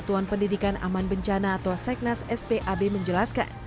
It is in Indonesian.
dan jurnal satuan pendidikan aman bencana atau seknas spab menjelaskan